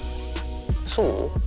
そう？